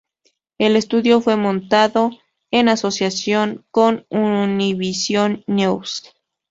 El estudio fue montado en asociación con Univisión News.